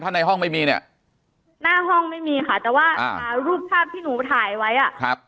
ถ้าในห้องไม่มีเนี่ยหน้าห้องไม่มีค่ะแต่ว่าอ่ารูปภาพที่หนูถ่ายไว้อ่ะครับ